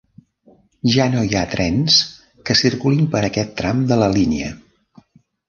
Ja no hi ha trens que circulin per aquest tram de la línia.